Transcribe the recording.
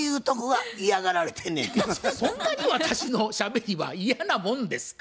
そんなに私のしゃべりは嫌なもんですか？